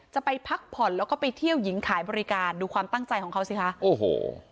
จะไปพักผ่อนแล้วก็ไปเที่ยวหญิงขายบริการดูความตั้งใจของเขาสิคะโอ้โห